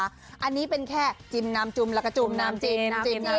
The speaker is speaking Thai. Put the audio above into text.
อันนี้เป็นแค่จิมน้ำจุมแล้วก็จุมน้ำเจน